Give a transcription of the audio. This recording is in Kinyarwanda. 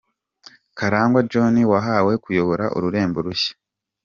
Karangwa John wahawe kuyobora ururembo rushya.